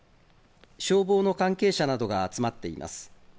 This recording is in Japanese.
消防の関係者などが集まっています。